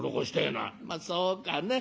「そうかね。